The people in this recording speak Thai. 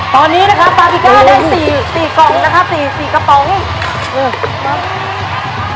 ตอนนี้นะคะได้สี่สี่กล่องนะคะสี่สี่กระป๋องเออมา